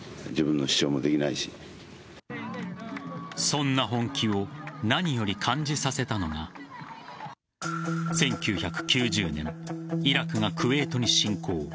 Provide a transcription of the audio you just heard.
そんな本気を何より感じさせたのが１９９０年イラクがクウェートに侵攻。